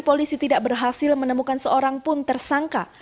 polisi tidak berhasil menemukan seorang pun tersangka